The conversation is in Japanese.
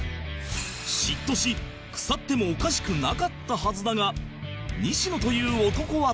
嫉妬し腐ってもおかしくなかったはずだが西野という男は